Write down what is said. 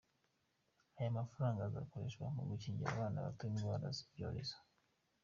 Aya mafaranga akazakoreshwa mu gukingira abana bato indwara z’ibyorezo.